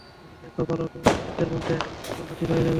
দেখো, কালকের মধ্যে আঙুলটা ঠিক হয়ে যাবে!